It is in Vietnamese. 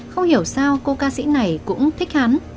không hiểu sao cô ca sĩ này cũng thích hắn